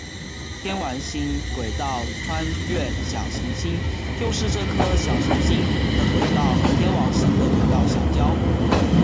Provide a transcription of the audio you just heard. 天王星轨道穿越小行星就是这颗小行星的轨道和天王星的轨道相交。